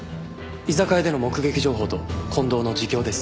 居酒屋での目撃情報と近藤の自供です。